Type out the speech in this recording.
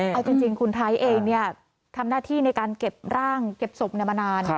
เอาจริงคุณไทยเองทำหน้าที่ในการเก็บร่างเก็บศพมานาน